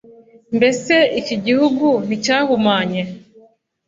Mbese iki gihugu nticyahumanye